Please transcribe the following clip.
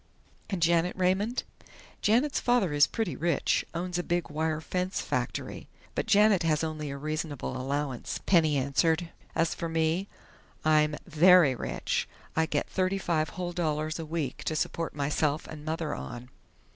"And Janet Raymond?" "Janet's father is pretty rich owns a big wire fence factory, but Janet has only a reasonable allowance," Penny answered. "As for me I'm very rich: I get thirty five whole dollars a week, to support myself and Mother on."